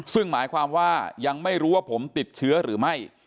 ซึ่งหมายความว่ายังไม่รู้ว่าผมติดเชื้อหรือไม่